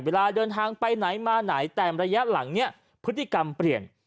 เวลาเดินทางไปไหนมาไหนแต่ระยะหลังเนี่ยพฤติกรรมเปลี่ยน